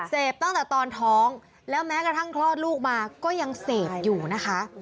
เสพตั้งแต่ตอนท้องแล้วแม้กระทั่งคลอดลูกมาก็ยังเสพอยู่นะคะ